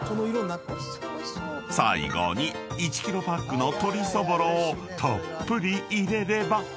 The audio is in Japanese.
［最後に１ｋｇパックの鶏そぼろをたっぷり入れれば］